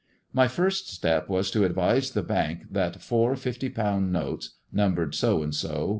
My first step was to advise the Bank that four fifty pound notes, numbered so and so.